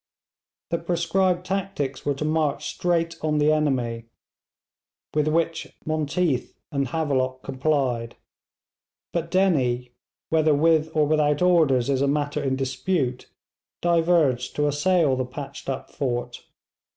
The prescribed tactics were to march straight on the enemy, with which Monteath and Havelock complied; but Dennie, whether with or without orders is a matter in dispute, diverged to assail the 'patched up' fort.